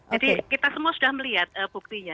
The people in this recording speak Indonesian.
jadi kita semua sudah melihat buktinya